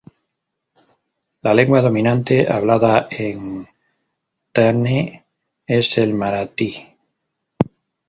La lengua dominante hablada en Thane es el marathi.